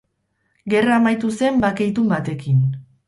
Gerra amaitu zen bake-itun batekin.